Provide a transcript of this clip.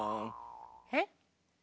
えっ？